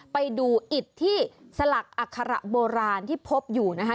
ไปดูอิดที่สลักอัคระโบราณที่พบอยู่นะคะ